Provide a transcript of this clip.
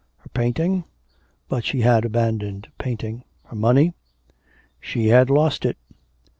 Her painting? But she had abandoned painting. Her money? she had lost it!